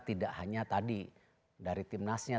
tidak hanya tadi dari timnasnya